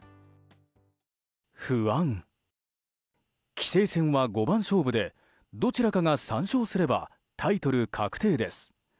棋聖戦は五番勝負でどちらかが３勝すればタイトル確定です。